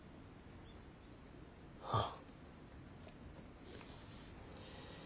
ああ。